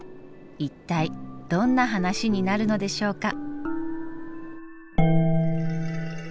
一体どんな話になるのでしょうか。